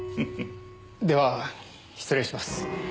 では失礼します。